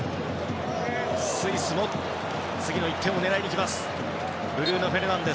スイスも次の１点を狙いに行きます。